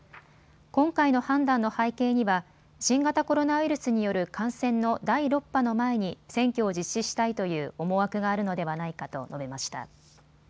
今回の判断の背景には新型コロナウイルスによる感染の第６波の前に選挙を実施したいという思惑があるのではないかと述べました。